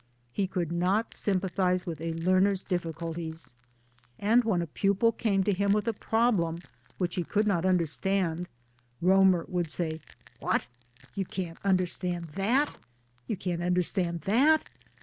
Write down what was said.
He could not sympathize with a learner's difficulties ; and when a pupil came to him with a problem' which he could not under stand, Romer would say "What? You can't understand that? You can't understand that?